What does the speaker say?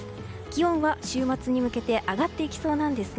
気温は週末に向けて上がっていきそうです。